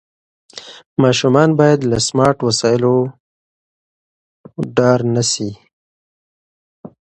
ماشومان باید له سمارټ وسایلو ډار نه سي.